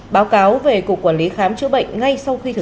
báo cáo về cục quản lý khám chữa bệnh ngay sau khi thực hiện